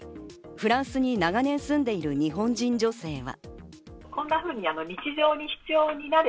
フランスに長年住んでいる日本人女性は。